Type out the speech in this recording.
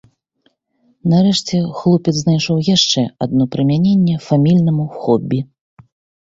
Нарэшце, хлопец знайшоў яшчэ адно прымяненне фамільнаму хобі.